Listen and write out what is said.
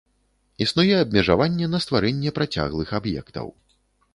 Існуе абмежаванне на стварэнне працяглых аб'ектаў.